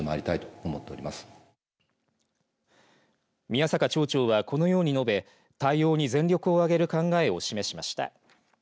宮坂町長は、このように述べ対応に全力を挙げる考えを示しました。